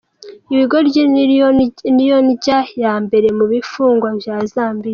Ibigori niyo ndya ya mbere mu bifungugwa vya Zambia.